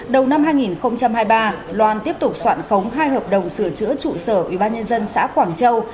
đầu năm hai nghìn hai mươi ba loan tiếp tục soạn khống hai hợp đồng sửa chữa trụ sở ubnd xã quảng châu